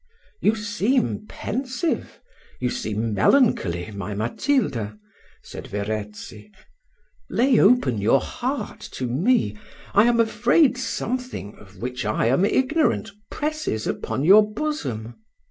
"You seem pensive, you seem melancholy, my Matilda," said Verezzi: "lay open your heart to me. I am afraid something, of which I am ignorant, presses upon your bosom.